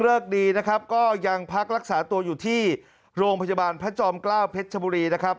คดีนะครับก็ยังพักรักษาตัวอยู่ที่โรงพยาบาลพระจอมเกล้าเพชรชบุรีนะครับ